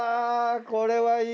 これはいい。